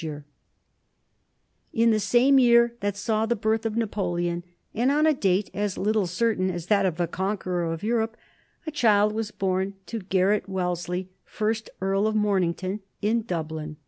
[Sidenote: 1769 1852 Arthur Wellesley] In the same year that saw the birth of Napoleon, and on a date as little certain as that of the conqueror of Europe, a child was born to Garret Wellesley, first Earl of Mornington, in Dublin.